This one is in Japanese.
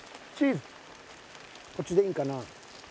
こっちでいいんかな？